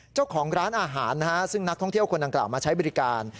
เจ้าของร้านอาหารนะฮะซึ่งนักท่องเที่ยวคนดังกล่าวมาใช้บริการ